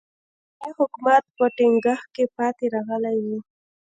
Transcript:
عثماني حکومت په ټینګښت کې پاتې راغلی و.